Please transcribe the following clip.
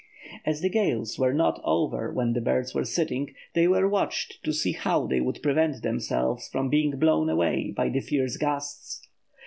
As the gales were not over when the birds were sitting, they were watched to see how they would prevent themselves from being blown away by the fierce gusts.